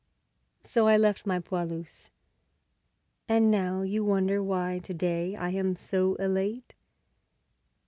So I left my 'poilus': and now you wonder Why to day I am so elate.